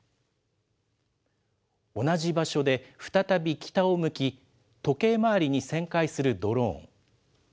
同じ場所で、再び北を向き、時計回りに旋回するドローン。